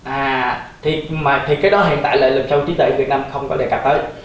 à thì cái đó hiện tại là lực sâu trí tuệ của việt nam không có đề cập tới